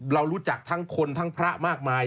เรารู้จักทั้งคนทั้งพระมากมาย